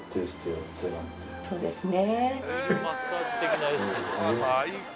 そうですね